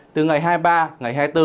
từ ngày hai mươi ba ngày hai mươi bốn